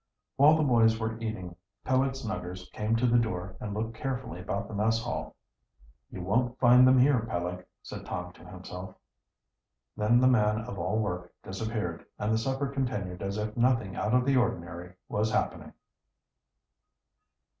While the boys were eating, Peleg Snuggers came to the door and looked carefully about the mess hall. "You won't find them here, Peleg," said Tom to himself. Then the man of all work disappeared, and the supper continued as if nothing out of the ordinary was happening.